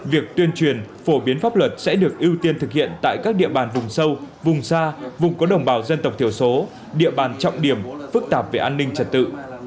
việc tuyên truyền phổ biến pháp luật sẽ được ưu tiên thực hiện tại các địa bàn vùng sâu vùng xa vùng có đồng bào dân tộc thiểu số địa bàn trọng điểm phức tạp về an ninh trật tự